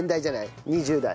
２０代。